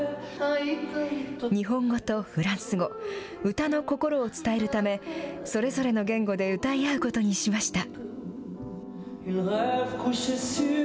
日本語とフランス語、歌の心を伝えるため、それぞれの言語で歌い合うことにしました。